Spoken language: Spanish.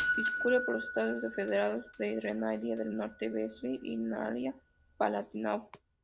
Discurre por los estados federados de Renania del Norte-Westfalia y Renania-Palatinado.